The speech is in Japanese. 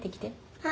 はい。